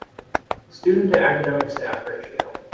Student to academic staff ratio.